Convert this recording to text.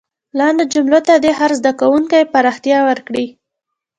لاندې جملو ته دې هر زده کوونکی پراختیا ورکړي.